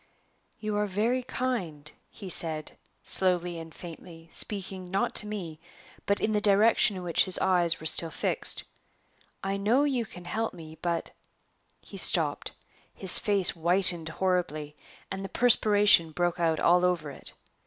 "You are very kind," he said, slowly and faintly, speaking, not to me, but in the direction in which his eyes were still fixed. "I know you can help me; but " He stopped; his face whitened horribly, and the perspiration broke out all over it.